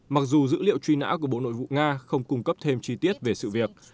mặc dù dữ liệu truy nã của bộ nội vụ nga không cung cấp thêm chi tiết về sự việc